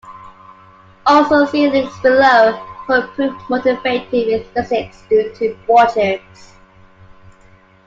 Also see links below for a proof motivated with physics due to Borcherds.